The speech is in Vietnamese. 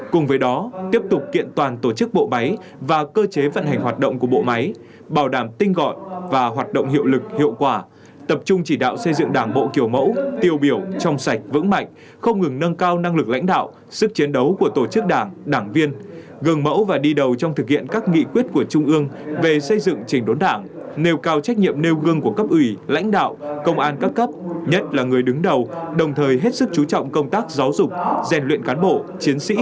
cùng với đó tiếp tục kiện toàn tổ chức bộ máy và cơ chế vận hành hoạt động của bộ máy bảo đảm tinh gọi và hoạt động hiệu lực hiệu quả tập trung chỉ đạo xây dựng đảng bộ kiểu mẫu tiêu biểu trong sạch vững mạnh không ngừng nâng cao năng lực lãnh đạo sức chiến đấu của tổ chức đảng đảng viên gần mẫu và đi đầu trong thực hiện các nghị quyết của trung ương về xây dựng trình đốn đảng nêu cao trách nhiệm nêu gương của cấp ủy lãnh đạo công an các cấp nhất là người đứng đầu đồng thời hết sức chú trọng công tác gi